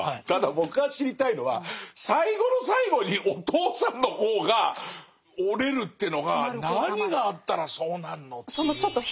ただ僕が知りたいのは最後の最後にお父さんの方が折れるってのが何があったらそうなんのっていう。